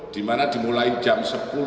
dimana dimulai jam sepuluh